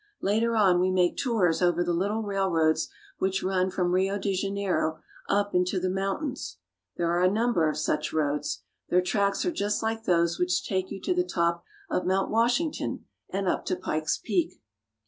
Later on we make tours over the little railroads which run from Rio de Janeiro up into the RIO DE JANEIRO. 28 1 mountains. There are a number of such roads. Their tracks are just like those which take you to the top of Mount Washington and up to Pikes Peak.